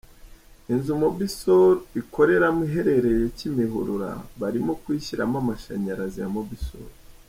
Inzu Mobisol ikoreramo iherereye Kimihurura barimo kuyishyiramo amashanyarazi ya Mobisol.